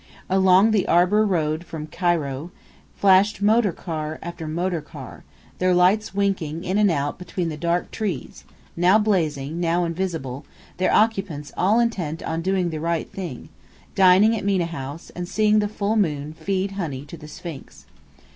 Along the arboured road from Cairo, flashed motor car after motor car, their lights winking in and out between the dark trees, now blazing, now invisible, their occupants all intent on doing the right thing: dining at Mena House, and seeing the full moon feed honey to the Sphinx.